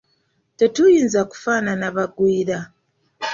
Tetuyinza kufaanana bagwira.